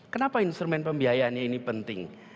kenapa instrumen pembiayaannya ini penting